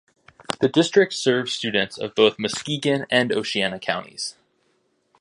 The district serves students of both Muskegon and Oceana counties.